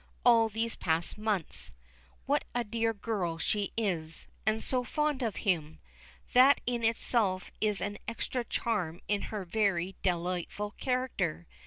all these past months. What a dear girl she is, and so fond of him! That in itself is an extra charm in her very delightful character.